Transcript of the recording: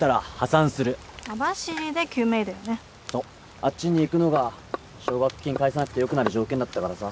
あっちに行くのが奨学金返さなくてよくなる条件だったからさ。